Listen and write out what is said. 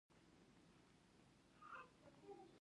د پراګرام اجرا کولو پروسه کمپایلر پر مخ وړي.